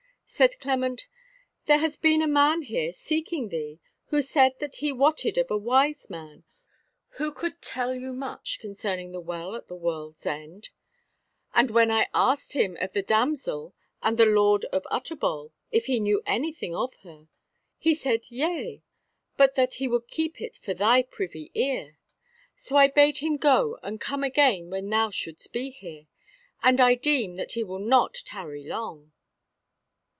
Said Clement: "There has been a man here seeking thee, who said that he wotted of a wise man who could tell thee much concerning the Well at the World's End. And when I asked him of the Damsel and the Lord of Utterbol, if he knew anything of her, he said yea, but that he would keep it for thy privy ear. So I bade him go and come again when thou shouldst be here. And I deem that he will not tarry long."